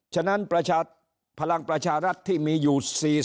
ฉะนั้นพลังประชารัฐที่มีอยู่๔๐